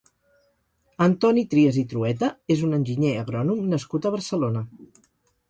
Antoni Trias i Trueta és un enginyer agrònom nascut a Barcelona.